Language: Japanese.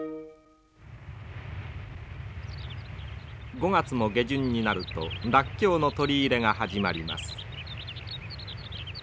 ５月も下旬になるとらっきょうの採り入れが始まります。